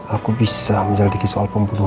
aku bisa menyelidiki soal pembunuhan